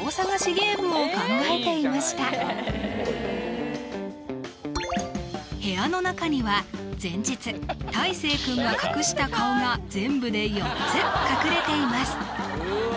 ゲームを考えていました部屋の中には前日たいせい君が隠した顔が全部で４つ隠れています